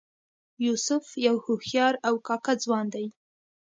یوسف یو هوښیار او کاکه ځوان دی.